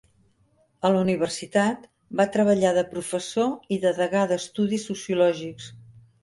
A la universitat, va treballar de professor i de degà d'estudis sociològics.